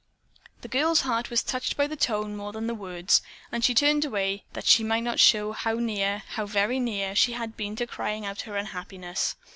The girl's heart was touched by the tone more than the words, and she turned away that she might not show how near, how very near, she had been to crying out her unhappiness.